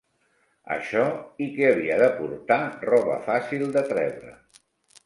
Això i que havia de portar roba fàcil de treure.